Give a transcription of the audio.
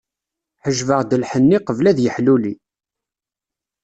Ḥejbeɣ-d lḥenni, qbel ad yeḥluli.